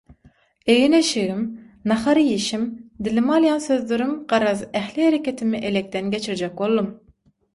Egin-eşigim, nahar iýişim, dilime alýan sözlerim, garaz ähli hereketimi elekden geçirjek boldum.